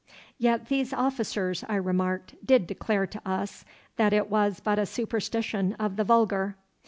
'Yet these officers,' I remarked, 'did declare to us that it was but a superstition of the vulgar.